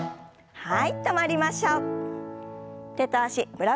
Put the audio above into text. はい。